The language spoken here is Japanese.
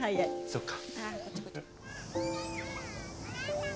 そっか。